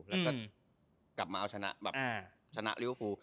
แล้วก็กลับมาเอาชนะแบบชนะลิเวอร์ฟูล